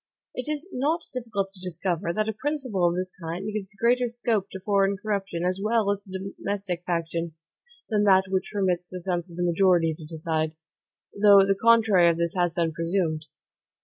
It is not difficult to discover, that a principle of this kind gives greater scope to foreign corruption, as well as to domestic faction, than that which permits the sense of the majority to decide; though the contrary of this has been presumed.